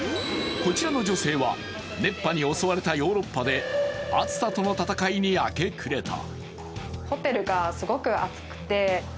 こちらの女性は、熱波に襲われたヨーロッパで暑さとの戦いに明け暮れた。